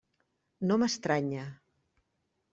No m'estranya.